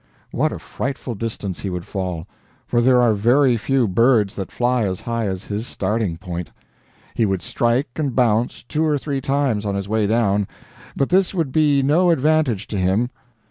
What a frightful distance he would fall! for there are very few birds that fly as high as his starting point. He would strike and bounce, two or three times, on his way down, but this would be no advantage to him.